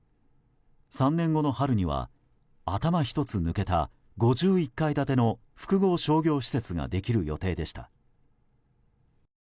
３年後の春には頭１つ抜けた５１階建ての複合商業施設ができる予定でした。